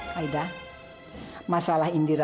siapaczo lukis dia